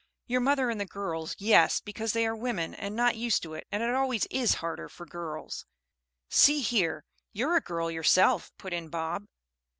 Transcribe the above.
"Your mother and the girls, yes, because they are women and not used to it, and it always is harder for girls " "See here, you're a girl yourself," put in Bob.